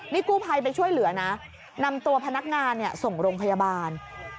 นี่กู้ภัยไปช่วยเหลือนะนำตัวพนักงานส่งโรงพยาบาล